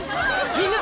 みんな！